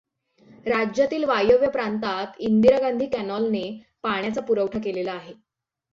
राज्यातील वायव्य प्रांतात इंदिरा गांधी कॅनाल ने पाण्याचा पुरवठा केलेला आहे.